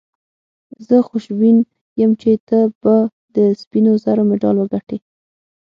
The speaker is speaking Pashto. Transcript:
زه خوشبین یم چي ته به د سپینو زرو مډال وګټې.